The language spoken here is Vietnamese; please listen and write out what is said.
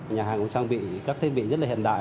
nhà hàng cũng trang bị các thiết bị rất là hiện đại